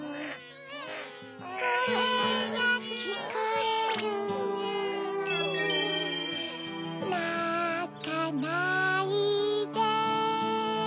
こえがきこえるなかないで